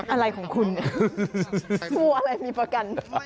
อะไรของคุณเนี่ยมัวอะไรมีประกัน